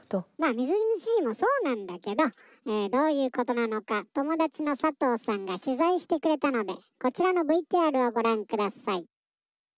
みずみずしいもそうなんだけどどういうことなのか友達の佐藤さんが取材してくれたのでこちらのＶＴＲをご覧ください。